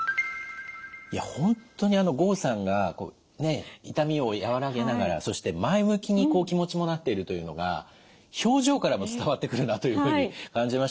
いや本当に郷さんが痛みを和らげながらそして前向きにこう気持ちもなっているというのが表情からも伝わってくるなというふうに感じましたけれども。